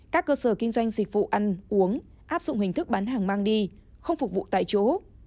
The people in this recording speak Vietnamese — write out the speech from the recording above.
các cơ sở kinh doanh dịch vụ ăn uống áp dụng hình thức bán hàng mang đi không phục vụ tại chỗ